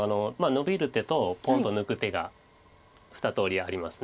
ノビる手とポンと抜く手が２通りあります。